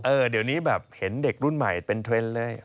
เดี๋ยวนี้แบบเห็นเด็กรุ่นใหม่เป็นเทรนด์เลย